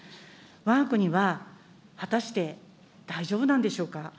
わが国は、果たして大丈夫なんでしょうか。